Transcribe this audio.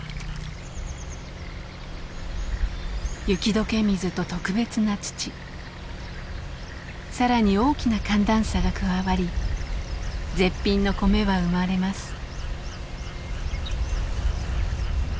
雪解け水と特別な土更に大きな寒暖差が加わり絶品の米は生まれます。